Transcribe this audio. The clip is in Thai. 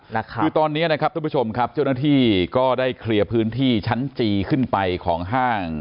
คือตอนนี้นะครับทุกผู้ชมครับเจ้าหน้าที่ก็ได้เคลียร์พื้นที่ชั้นจีขึ้นไปของห้าง